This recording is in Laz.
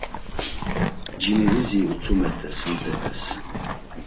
Cinivizi utzumet̆es hantepes.